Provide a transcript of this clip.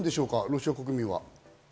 ロシア国民は。